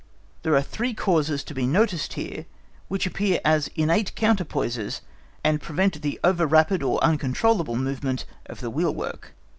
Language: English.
There are three causes to be noticed here, which appear as innate counterpoises and prevent the over rapid or uncontrollable movement of the wheel work.